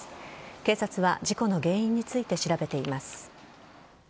警察は事故の原因について調べています。